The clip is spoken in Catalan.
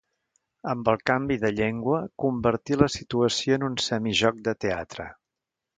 Amb el canvi de llengua, convertí la situació en un semi-joc de teatre.